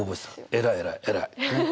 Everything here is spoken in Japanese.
偉い偉い偉い。